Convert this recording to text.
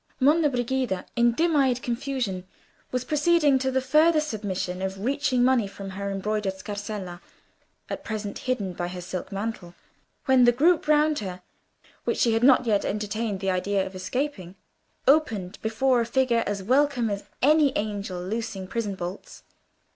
Monna Brigida, in dim eyed confusion, was proceeding to the further submission of reaching money from her embroidered scarsella, at present hidden by her silk mantle, when the group round her, which she had not yet entertained the idea of escaping, opened before a figure as welcome as an angel loosing prison bolts.